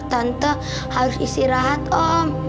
tante harus istirahat om